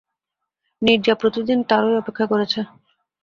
নীরজা প্রতিদিন তারই অপেক্ষা করেছে।